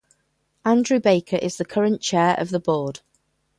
Andrew Baker is the current chair of the board.